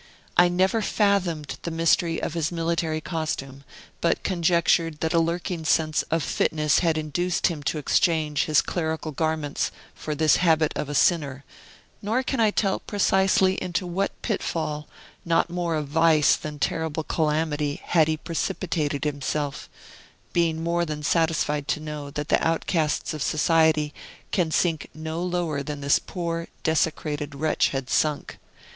I never fathomed the mystery of his military costume, but conjectured that a lurking sense of fitness had induced him to exchange his clerical garments for this habit of a sinner; nor can I tell precisely into what pitfall, not more of vice than terrible calamity, he had precipitated himself, being more than satisfied to know that the outcasts of society can sink no lower than this poor, desecrated wretch had sunk.